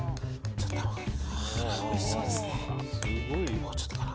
もうちょっとかな。